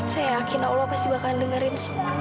saya yakin allah pasti bahkan dengerin semua doa ibu